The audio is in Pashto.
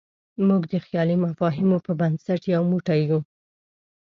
موږ د خیالي مفاهیمو په بنسټ یو موټی یو.